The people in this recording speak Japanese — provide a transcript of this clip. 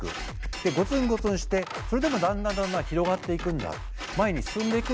ゴツンゴツンしてそれでもだんだんだんだん広がっていくんだ前に進んでいくんだ。